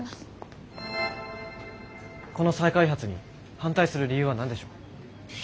この再開発に反対する理由は何でしょう？